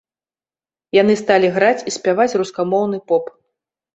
Яны сталі граць і спяваць рускамоўны поп.